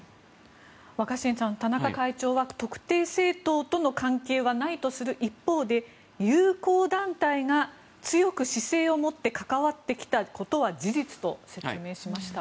若新さん、田中会長は特定政党との関係はないとする一方で友好団体が強く姿勢を持って関わってきたことは事実と説明しました。